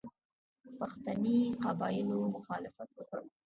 پښتني قبایلو مخالفت وکړ.